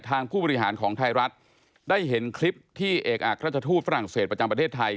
ผู้บริหารของไทยรัฐได้เห็นคลิปที่เอกอักราชทูตฝรั่งเศสประจำประเทศไทย